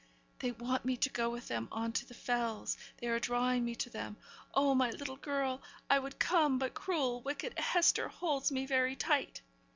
'They want me to go with them on to the Fells they are drawing me to them. Oh, my little girl! I would come, but cruel, wicked Hester holds me very tight.'